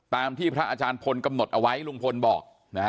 ตามที่พระอาจารย์พลกำหนดเอาไว้ลุงพลบอกนะฮะ